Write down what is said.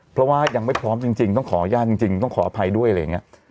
เพราะว่ายังไม่พร้อมจริงต้องขออนุญาตจริงต้องขออภัยด้วยอะไรอย่างนี้